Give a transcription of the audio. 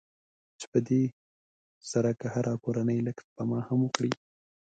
چې په دې سره که هره کورنۍ لږ هم سپما وکړي.